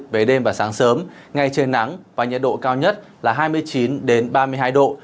về đêm và sáng sớm ngày trời nắng và nhiệt độ cao nhất là hai mươi chín ba mươi hai độ